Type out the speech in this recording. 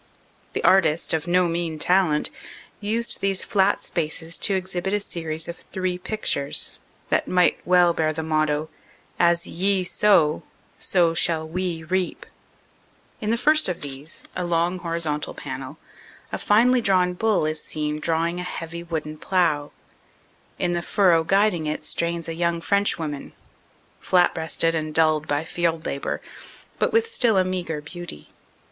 The artist, of no mean talent, used these flat spaces to exhibit a series of three pictures that might well bear the motto: "As YE sow so shall WE reap." In the first of these, a long horizontal panel, a finely drawn bull is seen drawing a heavy wooden plow. In the furrow guiding it strains a young Frenchwoman, flat breasted and dulled by field labor, but with still a meagre beauty.